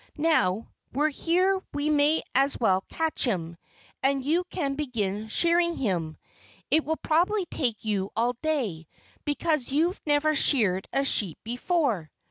"Now we're here we may as well catch him. And you can begin shearing him. It will probably take you all day, because you've never sheared a sheep before."